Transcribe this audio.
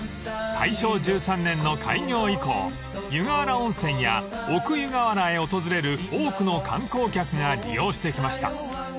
［大正１３年の開業以降湯河原温泉や奥湯河原へ訪れる多くの観光客が利用してきました］